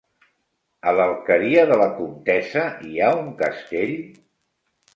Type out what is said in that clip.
A l'Alqueria de la Comtessa hi ha un castell?